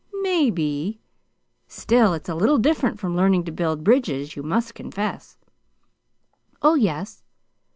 "Maybe. Still, it's a little different from learning to build bridges, you must confess." "Oh, yes."